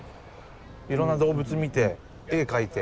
いろんな動物見て絵描いて。